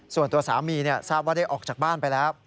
ส่วนตัวสามีทราบว่าได้ออกจากบ้านไปแล้ว